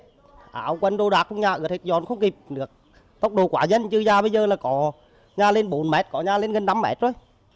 hào quên đồ đạc không nhà ướt hết giòn không kịp được tốc độ quả dân chưa ra bây giờ là có nhà lên bốn m có nhà lên gần năm m rồi